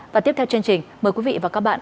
và tiếp theo chương trình mời quý vị và các bạn